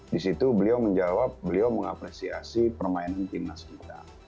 di situ beliau menjawab beliau mengapresiasi permainan tim nasional